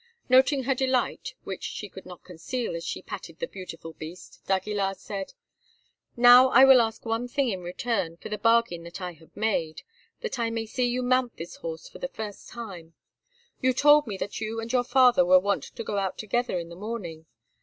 Noting her delight, which she could not conceal as she patted the beautiful beast, d'Aguilar said: "Now I will ask one thing in return for the bargain that I have made—that I may see you mount this horse for the first time. You told me that you and your father were wont to go out together in the morning.